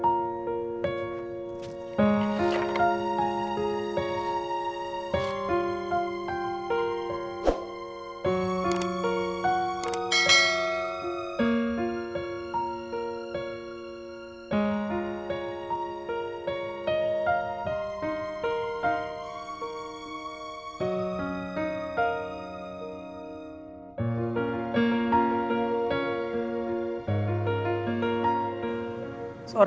ga tau kayak listir